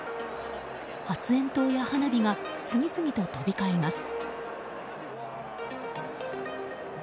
発煙筒や花火が次々と飛び交います。